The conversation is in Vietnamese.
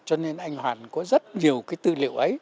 cho nên anh hoàn có rất nhiều cái tư liệu ấy